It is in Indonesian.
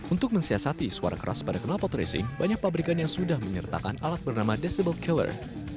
untuk mensiasati suara keras pada kenalpot racing banyak pabrikan yang sudah menyertakan alat bernama desible keller